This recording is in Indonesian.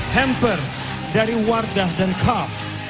hampers dari wardah dan kaf